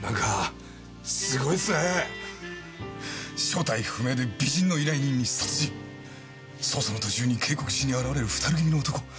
正体不明で美人の依頼人に殺人捜査の途中に警告しに現れる２人組の男